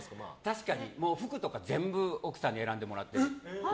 服とか全部奥さんに選んでもらってる。